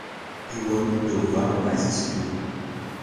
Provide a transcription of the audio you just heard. Eu ando pelo vale mais escuro.